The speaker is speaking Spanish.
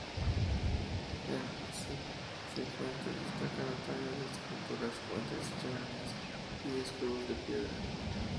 En Cifuentes destaca la talla de esculturas, fuentes, chimeneas y escudos de piedra.